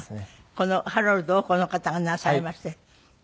このハロルドをこの方がなさいまして。